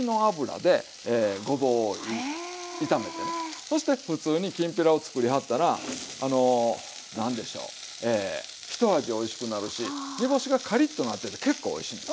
そしてふつうにきんぴらをつくりはったらあの何でしょうひと味おいしくなるし煮干しがカリッとなってて結構おいしいんです。